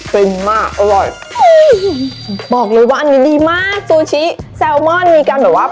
มากอร่อยบอกเลยว่าอันนี้ดีมากซูชิแซลมอนมีการแบบว่า